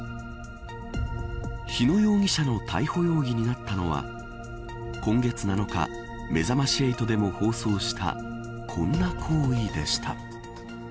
日野容疑者の逮捕容疑になったのは今月７日めざまし８でも放送したこんな行為でした。